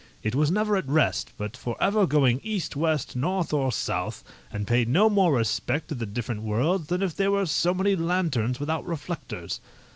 It was never at rest, but for ever going east, west, north, or south, and paid no more respect to the different worlds than if they were so many lanterns without reflectors.